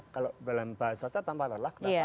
kalau dalam bahasa saja tanpa lelah